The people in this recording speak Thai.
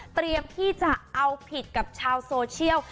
เตรียมที่จะเอาผิดกับชาวโซเชียล